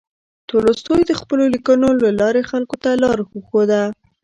تولستوی د خپلو لیکنو له لارې خلکو ته لاره وښوده.